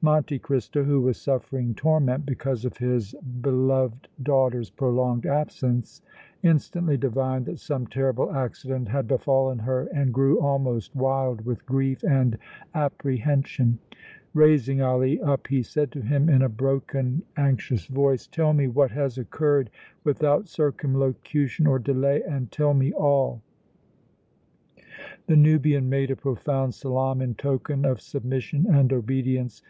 Monte Cristo, who was suffering torment because of his beloved daughter's prolonged absence, instantly divined that some terrible accident had befallen her and grew almost wild with grief and apprehension. Raising Ali up, he said to him in a broken, anxious voice: "Tell me what has occurred without circumlocution or delay, and tell me all!" The Nubian made a profound salaam in token of submission and obedience.